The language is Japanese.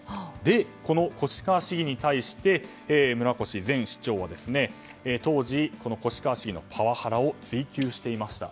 この越川市議に対して村越前市長は当時、越川市議のパワハラを追及していました。